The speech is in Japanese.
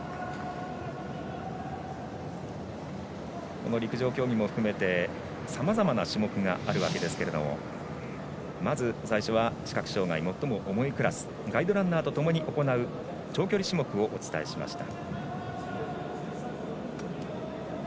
この陸上競技も含めてさまざまな種目があるわけですけれどもまず最初は視覚障がい最も重いクラスガイドランナーとともに行う長距離種目をお伝えしました。